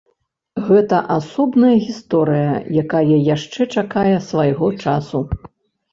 Гэта асобная гісторыя, якая яшчэ чакае свайго часу.